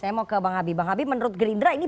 saya mau ke bang habib bang habib menurut gerindra ini